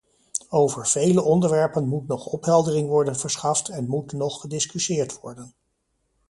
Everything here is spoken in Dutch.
Over vele onderwerpen moet nog opheldering worden verschaft en moet nog gediscussieerd worden.